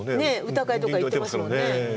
歌会とか行ってますもんね。